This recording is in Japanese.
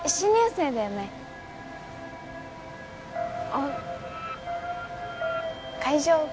あっ会場